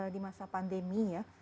di masa pandemi